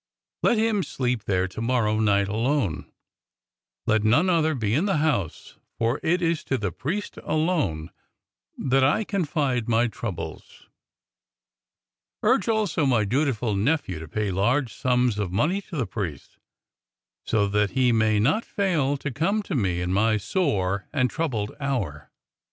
Let him sleep there to morrow night alone. Let none other be in the house, for it is to the priest alone that I can confide my trou bles. Urge also my dutiful nephew to pay large sums of money to the priest so that he may not fail to come to me in my sore and troubled hour."